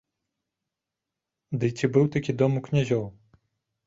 Дый ці быў такі дом у князёў?